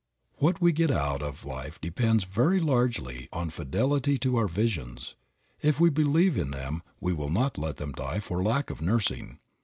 What we get out of life depends very largely on fidelity to our visions. If we believe in them we will not let them die for lack of nursing.